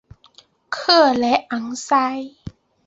克雷昂塞。